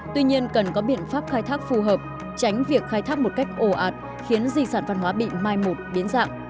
tuy nhiên cần có biện pháp khai thác phù hợp tránh việc khai thác một cách ồ ạt khiến di sản văn hóa bị mai một biến dạng